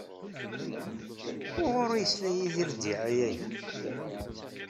Wuɣur ay yesla Yidir ddiɛaya-a?